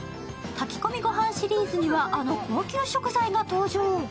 炊き込みごはんシリーズには、あの高級食材が登場。